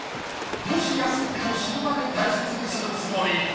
もし安くても死ぬまで大切にするつもり。